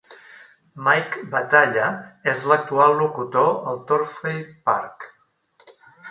Mike Battaglia és l'actual locutor al Turfway Park.